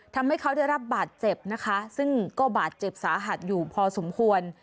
ทำให้เขาได้รับบาดเจ็บนะคะซึ่งก็บาดเจ็บสาหัสอยู่พอสมควร